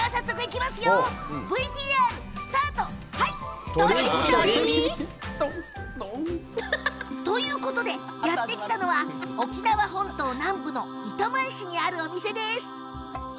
ＶＴＲ、とりっとり！ということでやって来たのは沖縄本島南部糸満市にあるお店です。